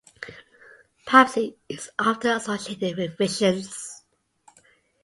Prophecy is often associated with visions.